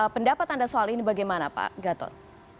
pendapat anda soal ini bagaimana pak gatot